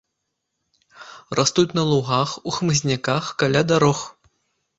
Растуць на лугах, у хмызняках, каля дарог.